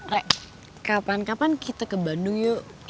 rek kapan kapan kita ke bandung yuk